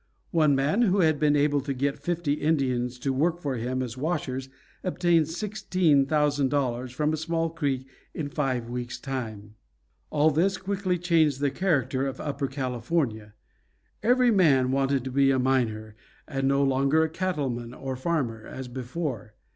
One man, who had been able to get fifty Indians to work for him as washers, obtained sixteen thousand dollars from a small creek in five weeks' time. All this quickly changed the character of upper California. Every man wanted to be a miner, and no longer a cattleman or farmer, as before.